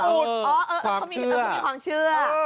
เขามีความเชื่อ